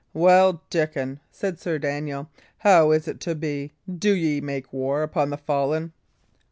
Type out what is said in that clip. "Well, Dickon," said Sir Daniel, "how is it to be? Do ye make war upon the fallen?"